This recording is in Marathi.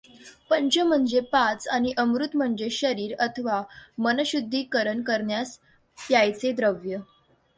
पंच म्हनजे पाच आनि अमृत म्हनजे शरीर अथवा मन शुद्धीकरन करण्यास प्यायचे द्रव्य.